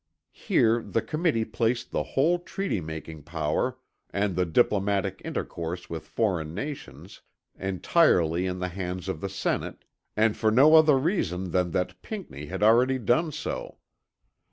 Here the Committee placed the whole treaty making power and the diplomatic intercourse with foreign nations entirely in the hands of the Senate and for no other reason than that Pinckney had already done so.